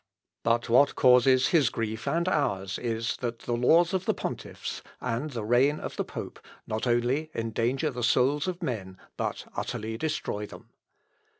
But what causes his grief and ours is, that the laws of the pontiffs, and the reign of the pope, not only endanger the souls of men but utterly destroy them.